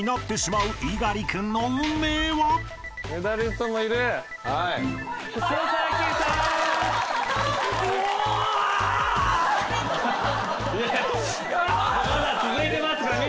まだ続いてますから。